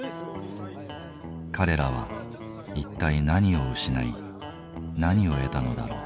彼らは一体何を失い何を得たのだろう。